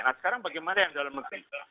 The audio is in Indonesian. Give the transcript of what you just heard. nah sekarang bagaimana yang dalam negeri